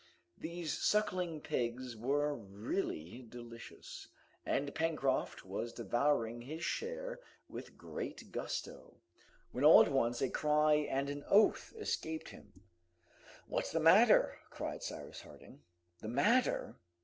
These suckling pigs were really delicious, and Pencroft was devouring his share with great gusto, when all at once a cry and an oath escaped him. "What's the matter?" asked Cyrus Harding. "The matter?